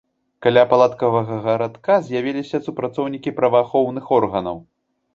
Каля палаткавага гарадка з'явіліся супрацоўнікі праваахоўных органаў.